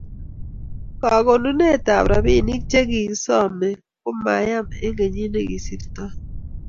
kakonunetab robinik che kisomei ko mayem eng' kenyi ne kosirtoi